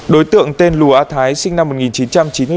đối tượng tên lù a thái sinh năm một nghìn chín trăm chín mươi bảy